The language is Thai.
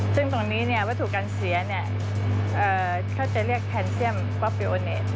ซึ่งตรงนี้วัตถุการเสียเขาจะเรียกแทนเซียมก๊อปปิโอเนต